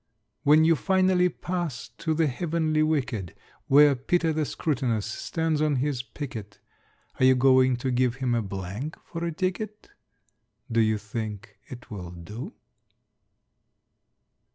When you finally pass to the heavenly wicket Where Peter the Scrutinous stands on his picket, Are you going to give him a blank for a ticket? Do you think it will do?